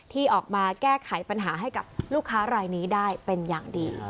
ที่ออกมาแก้ไขปัญหาให้กับลูกค้ารายนี้ได้เป็นอย่างดี